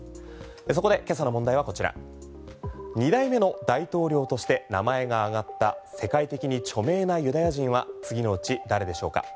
そこで今朝の問題はこちら２代目の大統領として名前が挙がった世界的に著名なユダヤ人は次のうち誰でしょうか？